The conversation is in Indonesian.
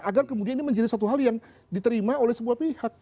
agar kemudian ini menjadi satu hal yang diterima oleh sebuah pihak